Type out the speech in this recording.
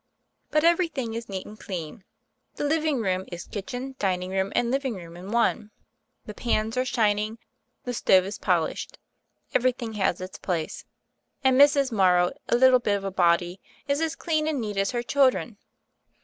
"But everything is neat and clean. The living room is kitchen, dining room and living room in one. The pans are shining, the stove is polished, everything has its place; and Mrs. Morrow, a little bit of a body, is as clean and neat as her children.